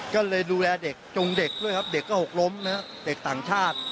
ก็เลยดูแลเด็กจงเด็กด้วยครับเด็กก็หกล้มนะเด็กต่างชาติ